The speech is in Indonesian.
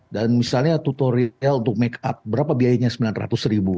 dan misalnya tutorial untuk make up berapa biayanya sembilan ratus ribu